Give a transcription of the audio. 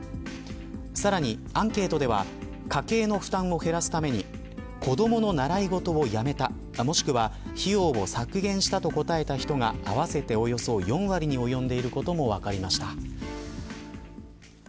さらにアンケートでは家計の負担を減らすために子どもの習い事をやめたもしくは費用を削減したと答えた人は合わせて、およそ４割に及んでいることも分かりました。